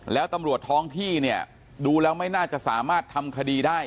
แล้วตำรวจท้องที่เนี่ยดูแล้วไม่น่าจะสามารถทำคดีได้